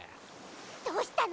どうしたの？